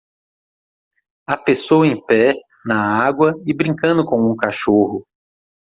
Há pessoa em pé na água e brincando com um cachorro.